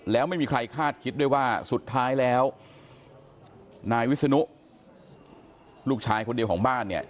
แล้วไม่มีใครคาดคิดด้วยว่าสุดท้ายแล้วนายวิศนุลูกชายคนเดียวของบ้านเนี่ย